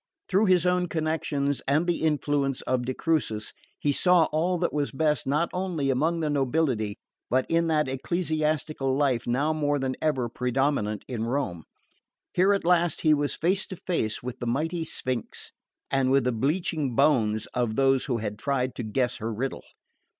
Through his own connections, and the influence of de Crucis, he saw all that was best not only among the nobility, but in that ecclesiastical life now more than ever predominant in Rome. Here at last he was face to face with the mighty Sphinx, and with the bleaching bones of those who had tried to guess her riddle.